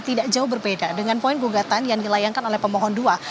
tidak jauh berbeda dengan poin gugatan yang dilayangkan oleh pemohon dua